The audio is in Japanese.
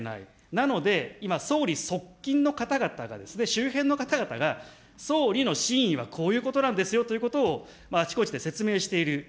なので今、総理側近の方々がですね、周辺の方々が、総理の真意はこういうことなんですよということをあちこちで説明している。